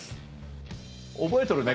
覚えとるね